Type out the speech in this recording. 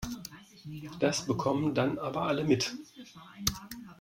Das bekommen dann aber alle mit.